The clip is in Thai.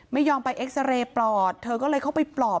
ไม่ยอมไปเอ็กซาเรย์ปลอดเธอก็เลยเข้าไปปลอบ